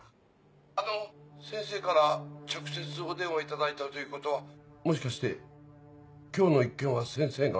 あの先生から直接お電話頂いたということはもしかして今日の一件は先生が？